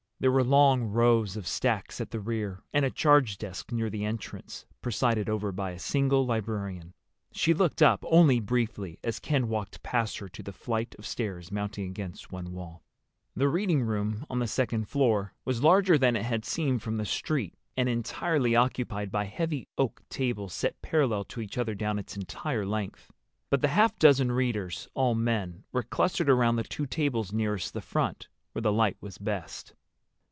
There were long rows of stacks at the rear, and a charge desk near the entrance presided over by a single librarian. She looked up only briefly as Ken walked past her to the flight of stairs mounting against one wall. The reading room on the second floor was larger than it had seemed from the street, and entirely occupied by heavy oak tables set parallel to each other down its entire length. But the half dozen readers—all men—were clustered around the two tables nearest the front, where the light was best.